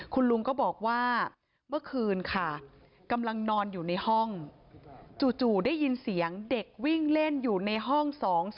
คุณลุงก็บอกว่าเมื่อคืนค่ะกำลังนอนอยู่ในห้องจู่ได้ยินเสียงเด็กวิ่งเล่นอยู่ในห้อง๒๒